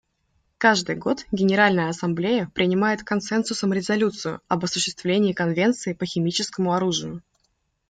Каждый год Генеральная Ассамблея принимает консенсусом резолюцию об осуществлении Конвенции по химическому оружию.